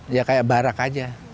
ya kayak barak aja